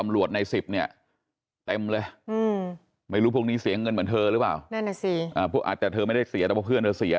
อาจจะเธอไม่ได้เสียแต่พวกเพื่อนเธอเสีย